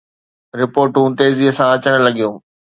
رپورٽون تيزيءَ سان اچڻ لڳيون.